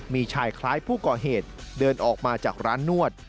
มีชายคล้ายผู้ก่อเหตุเดินออกมาจากร้านนวด